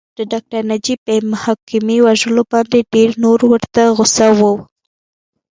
د ډاکټر نجیب بې محاکمې وژلو باندې ډېر نور ورته غوسه وو